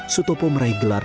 sutopo meraih gelar